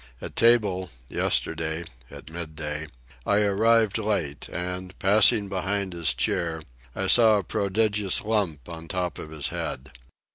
At table, yesterday, at midday, I arrived late, and, passing behind his chair, I saw a prodigious lump on top of his head.